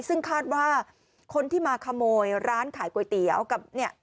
ซึ่งคาดว่าคนที่มาขโมยร้านขายก๋วยเตี๋ยวกับเนี่ย